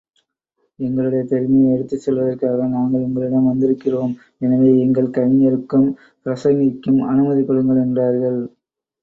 எங்களுடைய பெருமையை எடுத்துச் சொல்வதற்காக, நாங்கள் உங்களிடம் வந்திருக்கிறோம் எனவே, எங்கள் கவிஞருக்கும், பிரசங்கிக்கும் அனுமதி கொடுங்கள் என்றார்கள்.